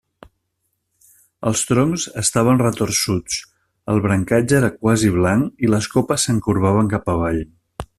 Els troncs estaven retorçuts; el brancatge era quasi blanc i les copes s'encorbaven cap avall.